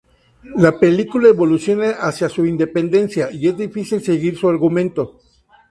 La película evoluciona hacia su independencia y es difícil seguir su argumento.